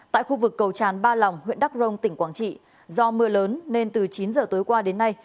tại khu vực cầu tràn ba lòng huyện đắc rông tỉnh quảng trị do mưa lớn nên từ chín giờ tối qua đến nay